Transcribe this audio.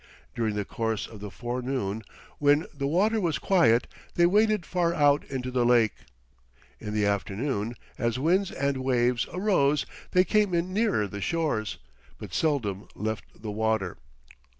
During the course of the forenoon, when the water was quiet, they waded far out into the lake. In the afternoon, as winds and waves arose, they came in nearer the shores, but seldom left the water.